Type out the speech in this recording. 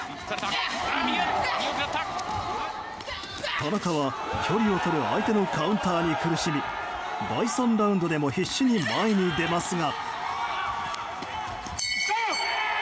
田中は距離をとる相手のカウンターに苦しみ第３ラウンドでも必死に前に出ますが。